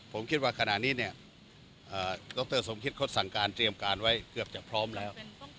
ผมคิดว่าขณะนี้เนี่ยดรสมคิตเขาสั่งการเตรียมการไว้เกือบจะพร้อมแล้ว